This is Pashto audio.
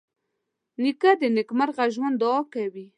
نیکه د نېکمرغه ژوند دعا کوي.